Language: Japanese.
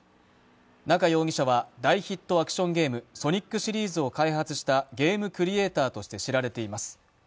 中容疑者は、大ヒットアクションゲーム「ソニック」シリーズを開発したゲームクリエーターとして知られています。